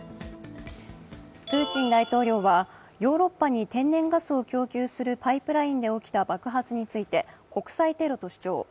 プーチン大統領はヨーロッパに天然ガスを供給するパイプラインで起きた爆発について、国際テロと主張。